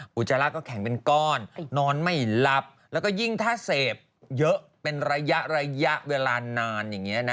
อุจจาระก็แข็งเป็นก้อนนอนไม่หลับแล้วก็ยิ่งถ้าเสพเยอะเป็นระยะระยะเวลานานอย่างนี้นะ